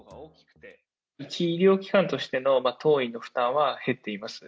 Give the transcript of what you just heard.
一医療機関としての当院の負担は減っています。